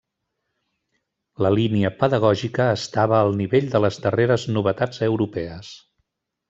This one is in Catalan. La línia pedagògica estava al nivell de les darreres novetats europees.